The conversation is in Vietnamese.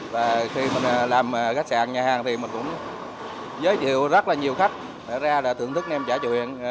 và khi mình làm khách sạn nhà hàng thì mình cũng giới thiệu rất là nhiều khách ra thưởng thức nem chả chợ huyện